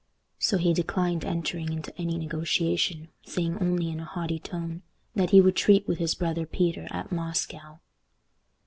So he declined entering into any negotiation, saying only in a haughty tone "that he would treat with his brother Peter at Moscow."